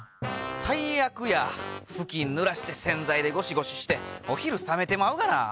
最悪やふきんぬらして洗剤でゴシゴシしてお昼冷めてまうがな。